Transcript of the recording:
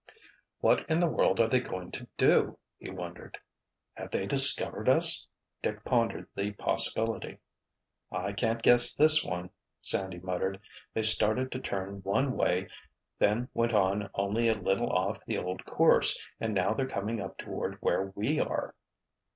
"What in the world are they going to do?" he wondered. "Have they discovered us?" Dick pondered the possibility. "I can't guess this one," Sandy muttered. "They started to turn one way, then went on only a little off the old course, and now they're coming up toward where we are."